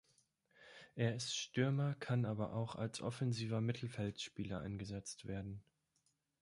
Er ist Stürmer, kann aber auch als offensiver Mittelfeldspieler eingesetzt werden.